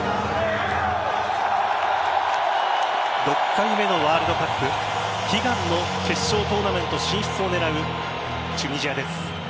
６回目のワールドカップ悲願の決勝トーナメント進出を狙うチュニジアです。